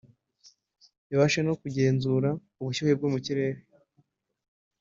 ibashe no kugenzura ubushyuhe bwo mu kirere